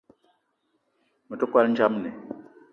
Me te kwal ndjamni